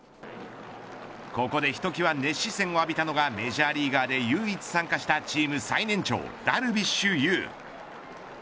ここでひときわ熱視線を浴びたのがメジャーリーガーで唯一参加したチーム最年長ダルビッシュ有。